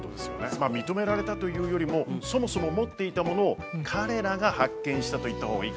まあ認められたというよりもそもそも持っていたものを彼らが発見したと言った方がいいかもしれませんよね